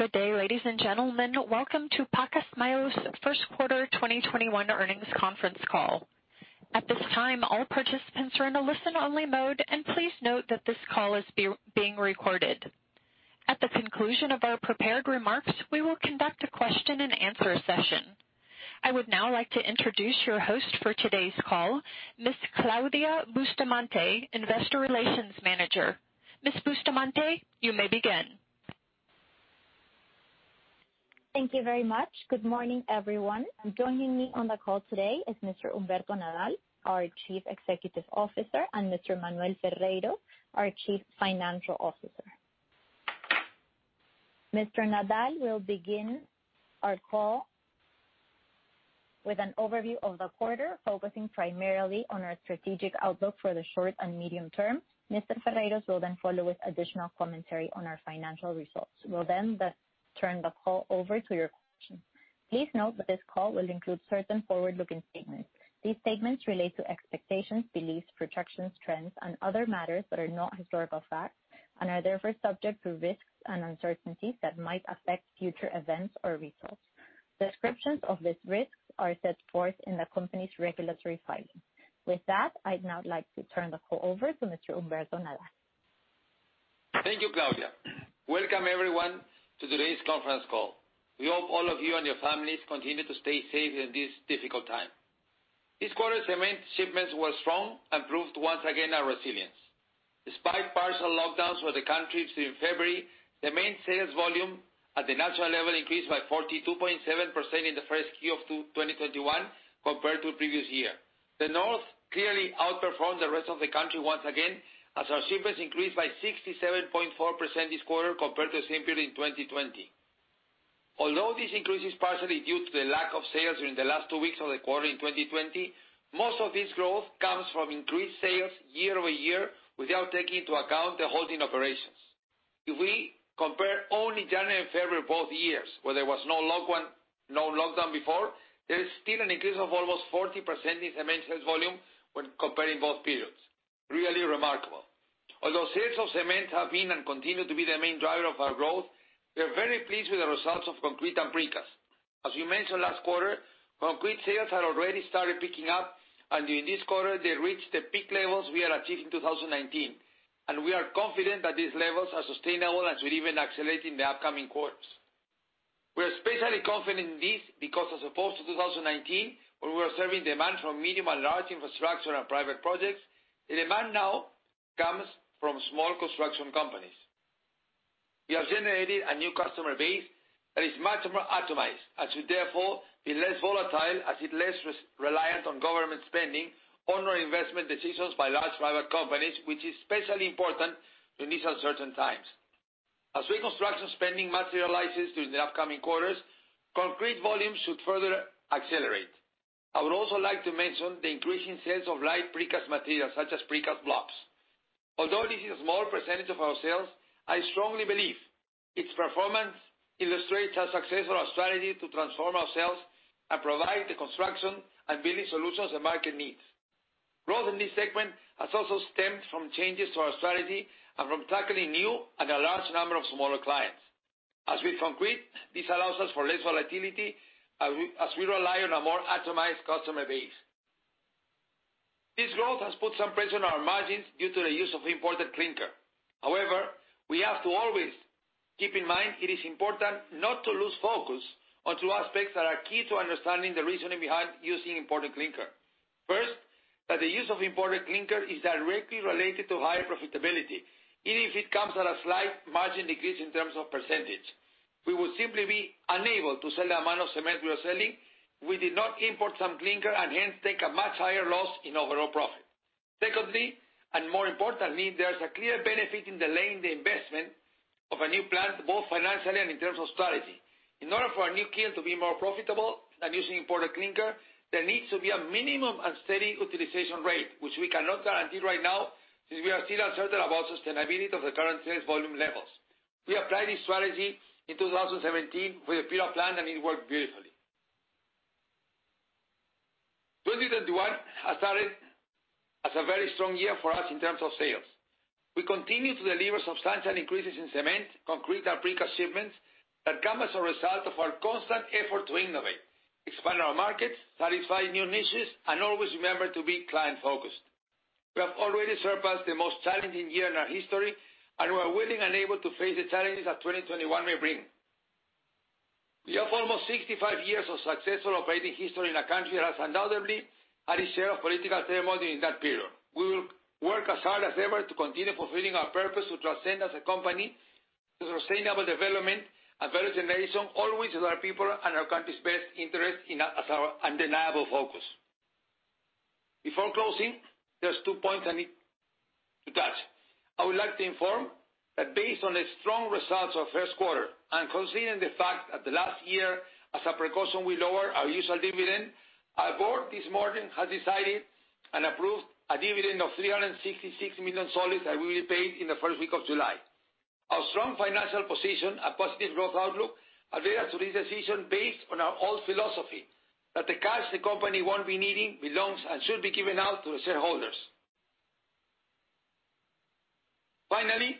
Good day, ladies and gentlemen. Welcome to Pacasmayo's first quarter 2021 earnings conference call. At this time, all participants are in a listen-only mode, and please note that this call is being recorded. At the conclusion of our prepared remarks, we will conduct a question-and-answer session. I would now like to introduce your host for today's call, Ms. Claudia Bustamante, Investor Relations Manager. Ms. Bustamante, you may begin. Thank you very much. Good morning, everyone. Joining me on the call today are Mr. Humberto Nadal, our Chief Executive Officer, and Mr. Manuel Ferreyros, our Chief Financial Officer. Mr. Nadal will begin our call with an overview of the quarter, focusing primarily on our strategic outlook for the short and medium term. Mr. Ferreyros will then follow with additional commentary on our financial results. We'll turn the call over to your questions. Please note that this call will include certain forward-looking statements. These statements relate to expectations, beliefs, projections, trends, and other matters that are not historical facts and are therefore subject to risks and uncertainties that might affect future events or results. Descriptions of these risks are set forth in the company's regulatory filings. With that, I'd now like to turn the call over to Mr. Humberto Nadal. Thank you, Claudia. Welcome everyone to today's conference call. We hope all of you and your families continue to stay safe in this difficult time. This quarter, cement shipments were strong and proved once again our resilience. Despite partial lockdowns for the country through February, the main sales volume at the national level increased by 42.7% in the first quarter of 2021 compared to the previous year. The North clearly outperformed the rest of the country once again, as our shipments increased by 67.4% this quarter compared to the same period in 2020. Although this increase is partially due to the lack of sales during the last two weeks of the quarter in 2020, most of this growth comes from increased sales year-over-year, without taking into account the halt in operations. If we compare only January and February in both years, where there was no lockdown before, there is still an increase of almost 40% in cement sales volume when comparing both periods. Really remarkable. Although sales of cement have been and continue to be the main driver of our growth, we are very pleased with the results of concrete and precast. As we mentioned last quarter, concrete sales had already started picking up, and during this quarter, they reached the peak levels we had achieved in 2019. We are confident that these levels are sustainable and should even accelerate in the upcoming quarters. We are especially confident in this because, as opposed to 2019, when we were serving demand from medium and large infrastructure and private projects, the demand now comes from small construction companies. We have generated a new customer base that is much more atomized and should therefore be less volatile as it's less reliant on government spending or non-investment decisions by large private companies, which is especially important in these uncertain times. As reconstruction spending materializes during the upcoming quarters, concrete volumes should further accelerate. I would also like to mention the increase in sales of light precast materials such as precast blocks. Although this is a small percentage of our sales, I strongly believe its performance illustrates our success and our strategy to transform ourselves and provide the construction and building solutions the market needs. Growth in this segment has also stemmed from changes to our strategy and from tackling a large number of new and smaller clients. As with concrete, this allows us for less volatility as we rely on a more atomized customer base. This growth has put some pressure on our margins due to the use of imported clinker. However, we have to always keep in mind that it is important not to lose focus on two key aspects that are important for understanding the reasoning behind using imported clinker. First, the use of imported clinker is directly related to higher profitability, even if it comes at a slight margin decrease in terms of percentage. We would simply be unable to sell the amount of cement we are selling if we did not import some clinker, and hence take a much higher loss in overall profit. Secondly, and more importantly, there is a clear benefit in delaying the investment in a new plant, both financially and in terms of strategy. In order for a new kiln to be more profitable than using imported clinker, there needs to be a minimum and steady utilization rate, which we cannot guarantee right now since we are still uncertain about the sustainability of the current sales volume levels. We applied this strategy in 2017 with the Piura plant, and it worked beautifully. 2021 has started as a very strong year for us in terms of sales. We continue to deliver substantial increases in Cement, Concrete, and Precast shipments that come as a result of our constant effort to innovate, expand our markets, satisfy new niches, and always remember to be client-focused. We have already surpassed the most challenging year in our history, and we are willing and able to face the challenges that 2021 may bring. We have almost 65 years of successful operating history in a country that has undoubtedly had its share of political turmoil during that period. We will work as hard as ever to continue fulfilling our purpose to transcend as a company through sustainable development and value generation, always with our people and our country's best interests as our undeniable focus. Before closing, there are two points I need to touch. I would like to inform you that, based on the strong results of first quarter and considering the fact that last year, as a precaution, we lowered our usual dividend, our board this morning has decided and approved a dividend of PEN 366 million that will be paid in the first week of July. Our strong financial position and positive growth outlook have led us to this decision based on our old philosophy that the cash the company won't need should be given out to the shareholders. Finally,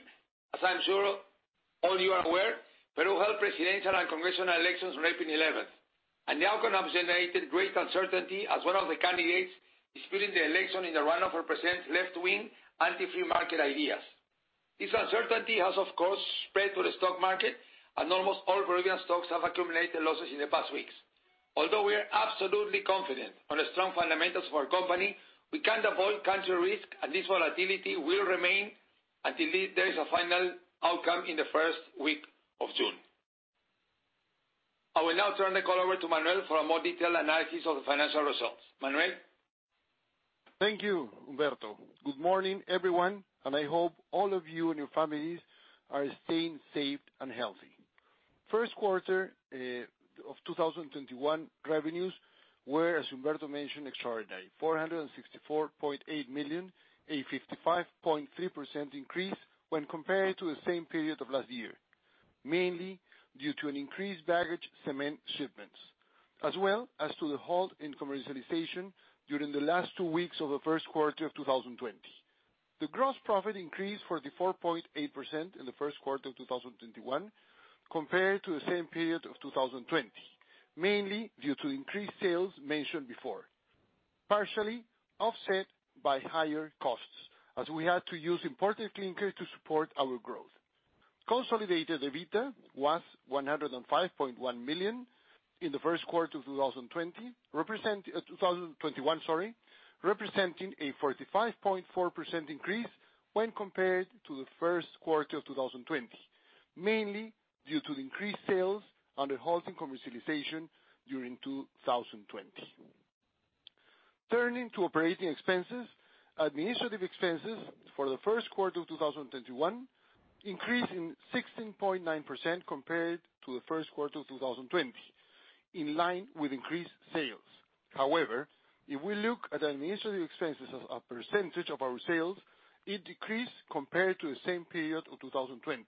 as I'm sure all of you are aware, Peru held presidential and congressional elections on April 11th, and the outcome has generated great uncertainty as one of the candidates disputing the election in the runoff represents left-wing anti-free market ideas. This uncertainty has, of course, spread to the stock market, and almost all Peruvian stocks have accumulated losses in the past weeks. Although we are absolutely confident in the strong fundamentals of our company, we can't avoid country risk, and this volatility will remain until there is a final outcome in the first week of June. I will now turn the call over to Manuel for a more detailed analysis of the financial results. Manuel? Thank you, Humberto. Good morning, everyone, and I hope all of you and your families are staying safe and healthy. First quarter of 2021 revenues were, as Humberto mentioned, extraordinary, PEN 464.8 million, a 55.3% increase when compared to the same period of last year, mainly due to an increase in bagged cement shipments, as well as to the halt in commercialization during the last two weeks of the first quarter of 2020. The gross profit increased 44.8% in the first quarter of 2021 compared to the same period of 2020, mainly due to increased sales mentioned before, partially offset by higher costs, as we had to use imported clinker to support our growth. Consolidated EBITDA was PEN 105.1 million in the first quarter of 2021, representing a 45.4% increase when compared to the first quarter of 2020, mainly due to the increased sales and the halt in commercialization during 2020. Turning to operating expenses, administrative expenses for the first quarter of 2021 increased 16.9% compared to the first quarter of 2020, in line with increased sales. However, if we look at administrative expenses as a percentage of our sales, they decreased compared to the same period of 2020,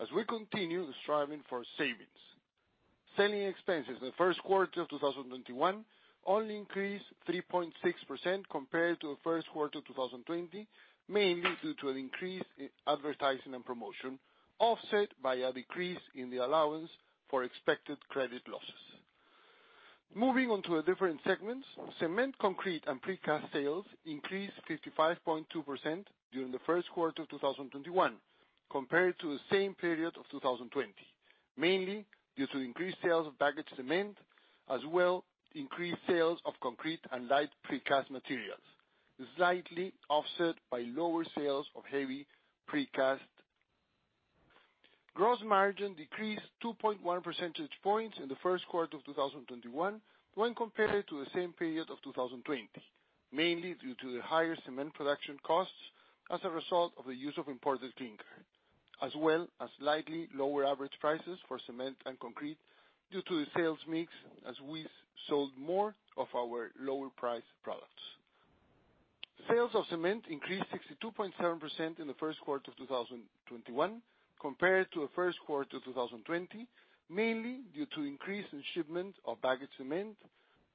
as we continue striving for savings. Selling expenses in the first quarter of 2021 only increased 3.6% compared to the first quarter of 2020, mainly due to an increase in advertising and promotion, offset by a decrease in the allowance for expected credit losses. Moving on to the different segments, Cement, Concrete, and Precast sales increased 55.2% during the first quarter of 2021 compared to the same period of 2020, mainly due to increased sales of bagged cement, as well as increased sales of concrete and light precast materials, slightly offset by lower sales of heavy precast. Gross margin decreased 2.1 percentage points in the first quarter of 2021 when compared to the same period of 2020, mainly due to the higher cement production costs as a result of the use of imported clinker, as well as slightly lower average prices for cement and concrete due to the sales mix, as we sold more of our lower-priced products. Sales of cement increased 62.7% in the first quarter of 2021 compared to the first quarter of 2020, mainly due to an increase in shipments of bagged cement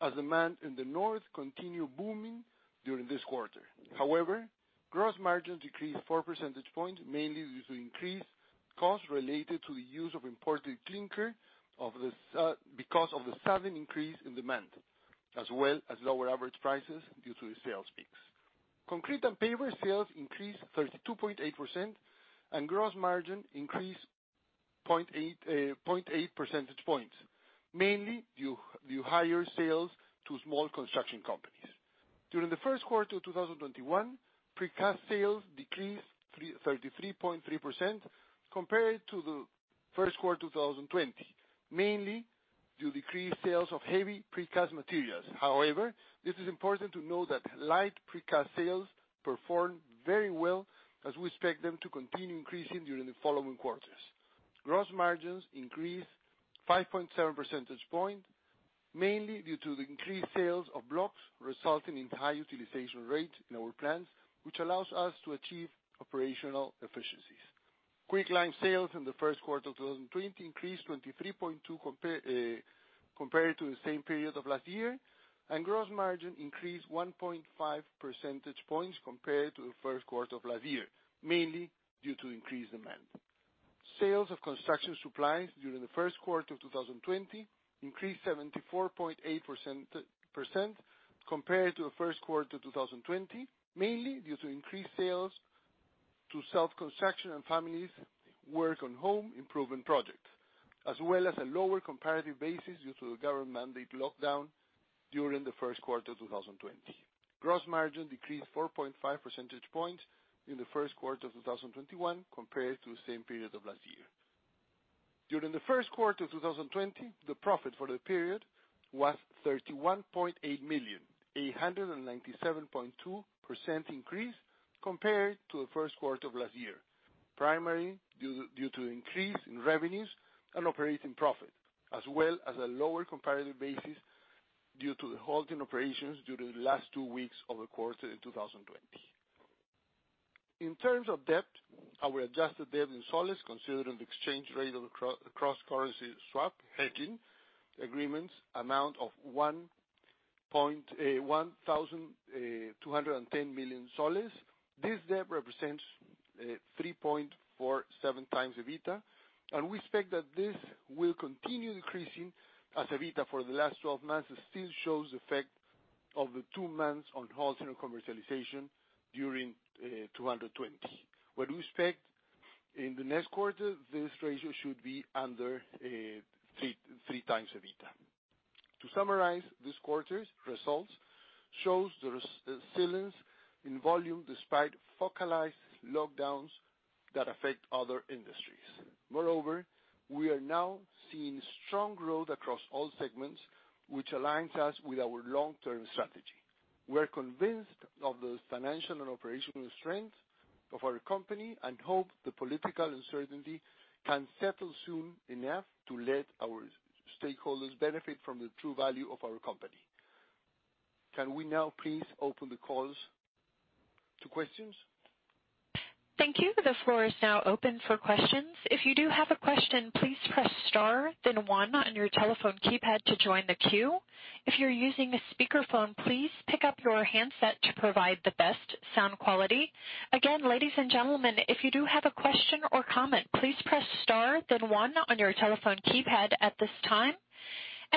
as demand in the North continued booming during this quarter. Gross margin decreased four percentage points, mainly due to increased costs related to the use of imported clinker because of the sudden increase in demand, as well as lower average prices due to the sales mix. Concrete and paver sales increased 32.8%, and gross margin increased 0.8 percentage points, mainly due to higher sales to small construction companies. During the first quarter of 2021, precast sales decreased 33.3% compared to the first quarter of 2020, mainly due to decreased sales of heavy precast materials. It is important to note that light precast sales performed very well, as we expect them to continue increasing during the following quarters. Gross margins increased 5.7 percentage points, mainly due to the increased sales of blocks, resulting in a high utilization rate in our plants, which allows us to achieve operational efficiencies. Quicklime sales in the first quarter of 2020 increased 23.2% compared to the same period of last year. Gross margin increased 1.5 percentage points compared to the first quarter of last year, mainly due to increased demand. Sales of Construction Supplies during the first quarter of 2020 increased 74.8% compared to the first quarter of 2020, mainly due to increased sales to self-construction and families working on home improvement projects, as well as a lower comparative basis due to the government-mandated lockdown during the first quarter of 2020. Gross margin decreased 4.5 percentage points in the first quarter of 2021 compared to the same period of last year. During the first quarter of 2020, the profit for the period was PEN 31.8 million, a 197.2% increase compared to the first quarter of last year, primarily due to an increase in revenues and operating profit, as well as a lower comparative basis due to the halt in operations during the last two weeks of the quarter in 2020. In terms of debt, our adjusted debt in Peruvian nuevo sol, considering the exchange rate of the cross-currency swap hedging agreements, amounts to PEN 1,210 million. This debt represents 3.47x EBITDA. We expect that this will continue increasing as EBITDA for the last 12 months still shows the effect of the two-month halt in general commercialization during 2020. What we expect in the next quarter, this ratio should be under 3x EBITDA. To summarize this quarter's results, shows the resilience in volume despite localized lockdowns that affect other industries. We are now seeing strong growth across all segments, which aligns us with our long-term strategy. We're convinced of the financial and operational strength of our company and hope the political uncertainty can settle soon enough to let our stakeholders benefit from the true value of our company. Can we now please open the calls to questions? Thank you. The floor is now open for questions. If you do have a question, please press star then one on your telephone keypad to join the queue. If you're using a speakerphone, please pick up your handset to provide the best sound quality. Again, ladies and gentlemen, if you do have a question or comment, please press star then one on your telephone keypad at this time.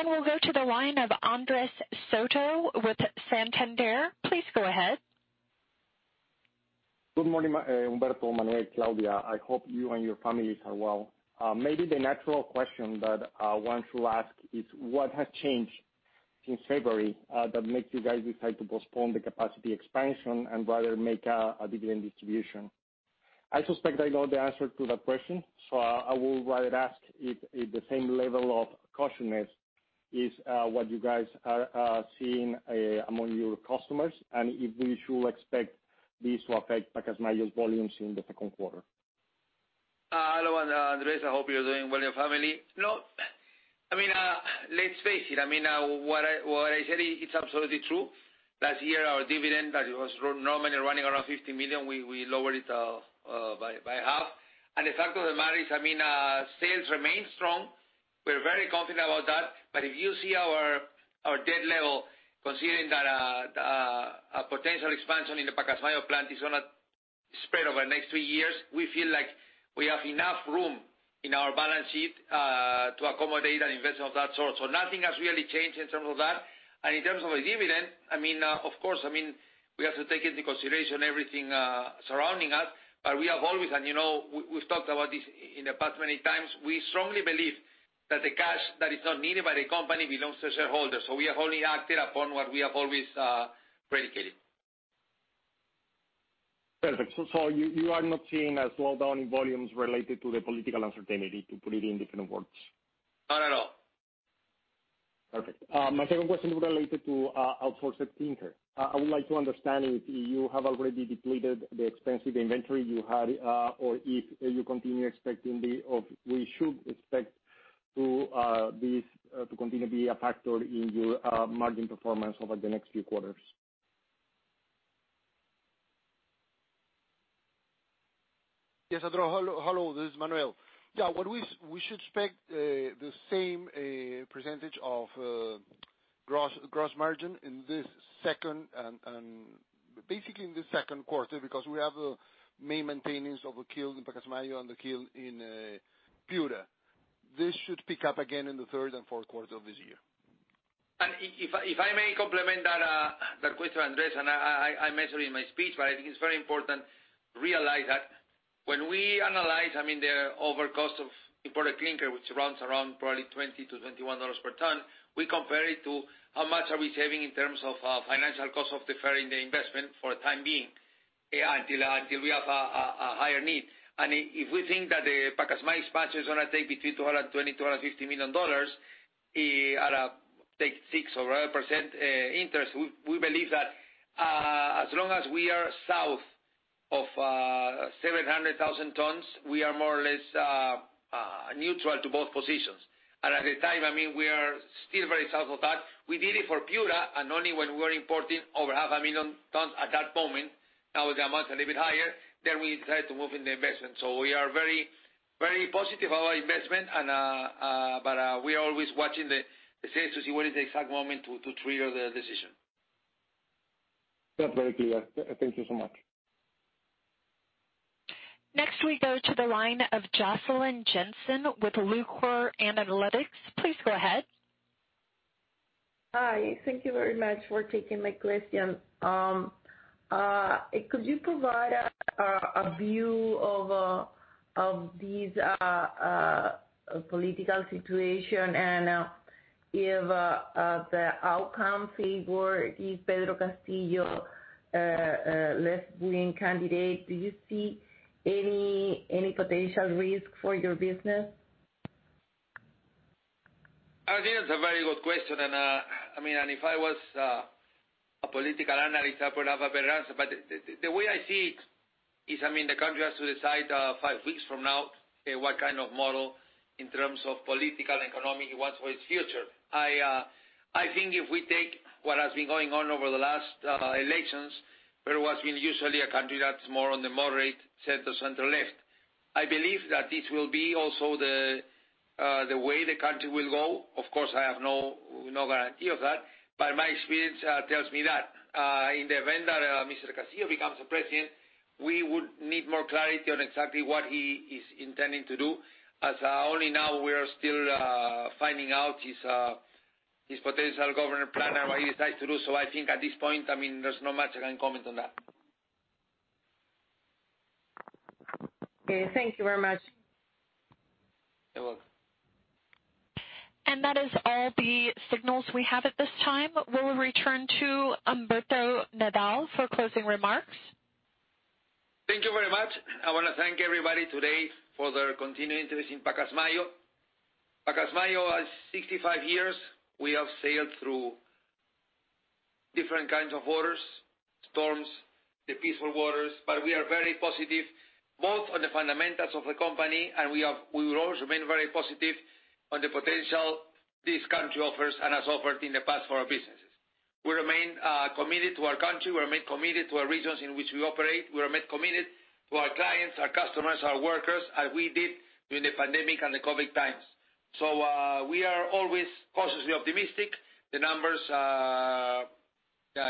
We'll go to the line of Andres Soto with Santander. Please go ahead. Good morning, Humberto, Manuel, and Claudia. I hope you and your families are well. Maybe the natural question that one should ask is what has changed since February that makes you guys decide to postpone the capacity expansion and rather make a dividend distribution? I suspect I know the answer to that question, so I will rather ask if the same level of cautiousness is what you guys are seeing among your customers and if we should expect this to affect Pacasmayo's volumes in the second quarter. Hello, Andres. I hope you're doing well, your family. Let's face it. What I said is absolutely true. Last year, our dividend, which was normally running around PEN 50 million, we lowered it by half. The fact of the matter is, sales remain strong. We're very confident about that. If you see our debt level, considering that a potential expansion in the Pacasmayo plant is going to spread over the next three years, we feel like we have enough room in our balance sheet to accommodate an investment of that sort. Nothing has really changed in terms of that. In terms of the dividend, of course, we have to take into consideration everything surrounding us, but we have always, and we've talked about this in the past many times, we strongly believe that the cash that is not needed by the company belongs to shareholders. We have only acted upon what we have always predicated. Perfect. You are not seeing a slowdown in volumes related to the political uncertainty, to put it in different words? Not at all. Perfect. My second question related to outsourced clinker. I would like to understand if you have already depleted the expensive inventory you had or if you continue expecting we should expect this to continue to be a factor in your margin performance over the next few quarters. Yes, Andres. Hello, this is Manuel. Yeah, we should expect the same percentage of gross margin in this second quarter and basically in the second quarter because we have a main maintenance of the kiln Pacasmayo and the kiln in Piura. This should pick up again in the third and fourth quarters of this year. If I may complement an answer that question, Andres, I mentioned in my speech, I think it's very important to realize that when we analyze the over cost of imported clinker, which runs around probably $20-$21 per ton, we compare it to how much are we saving in terms of financial cost of deferring the investment for the time being until we have a higher need. If we think that the Pacasmayo expansion is going to take between $220 million-$250 million at an interest of 6% or 8%, we believe that as long as we are south of 700,000 tons, we are more or less neutral to both positions. At the time, we are still very south of that. We did it for Piura. Only when we were importing over 500,000 tons at that moment, now the amount is a little bit higher, we decided to make the investment. We are very positive about our investment. We are always watching the sales to see when the exact moment is to trigger the decision. That's very clear. Thank you so much. Next, we go to the line of Josseline Jenssen with Lucror Analytics. Please go ahead. Hi. Thank you very much for taking my question. Could you provide a view of this political situation, and if the outcome favors Pedro Castillo, the left-wing candidate, do you see any potential risk for your business? I think that's a very good question, and if I was a political analyst, I would have a better answer. The way I see it is the country has to decide five weeks from now what kind of model, in terms of political and economic, it wants for its future. I think if we take what has been going on over the last elections, Peru has been usually a country that's more on the moderate center-left. I believe that this will also be the way the country will go. Of course, I have no guarantee of that, but my experience tells me that. In the event that Mr. Castillo becomes the president, we would need more clarity on exactly what he intends to do, as only now we are still finding out his potential government plan and what he decides to do. I think at this point, there's not much I can comment on that. Okay. Thank you very much. You're welcome. That is all the signals we have at this time. We'll return to Humberto Nadal for closing remarks. Thank you very much. I want to thank everybody today for their continued interest in Pacasmayo. Pacasmayo, at 65 years, we have sailed through different kinds of waters, storms, and the peaceful waters, but we are very positive both on the fundamentals of the company, and we will always remain very positive on the potential this country offers and has offered in the past for our businesses. We remain committed to our country. We remain committed to our regions in which we operate. We remain committed to our clients, our customers, and our workers, as we did during the pandemic and the COVID times. We are always cautiously optimistic. The numbers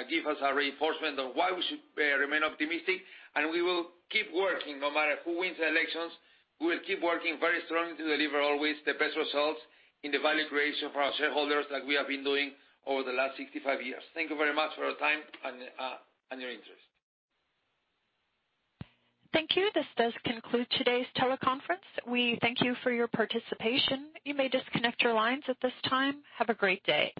give us a reinforcement on why we should remain optimistic, and we will keep working. No matter who wins the elections, we will keep working very strongly to deliver always the best results in the value creation for our shareholders that we have been doing over the last 65 years. Thank you very much for your time and your interest. Thank you. This does conclude today's teleconference. We thank you for your participation. You may disconnect your lines at this time. Have a great day.